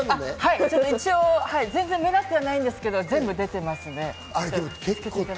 全然、目立ってはいないんですけど全部出ています。